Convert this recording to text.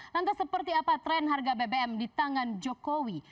lantas seperti apa tren harga bbm di tangan jokowi